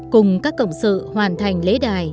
cùng các cộng sự hoàn thành lễ đài